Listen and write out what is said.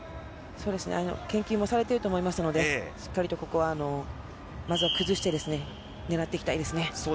研究もされていると思いますのでしっかりとここはまずは崩して狙っていきたいですね。